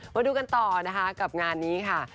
มาดูกันต่อนะคะกับงานนี้ค่ะ